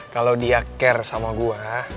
kalau dia care sama gue